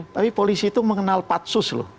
tapi polisi itu mengenal patsus loh